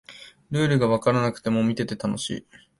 ルールがわからなくても見てて楽しい